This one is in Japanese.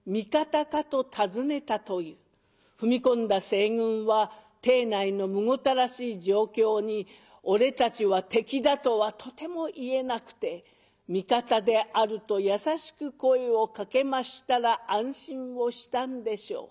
踏み込んだ西軍は邸内のむごたらしい状況に「俺たちは敵だ」とはとても言えなくて「味方である」と優しく声をかけましたら安心をしたんでしょう。